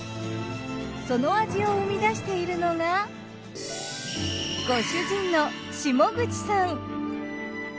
その味を生み出しているのがご主人の下口さん。